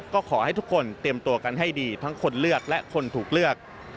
ก็ขอให้ทุกคนเตรียมตัวกันให้ดีทั้งคนเลือกและคนถูกเลือก